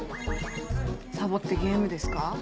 サボってゲームですか？